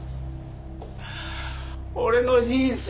俺の人生